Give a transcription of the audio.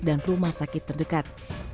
dan rumah sakit terdekat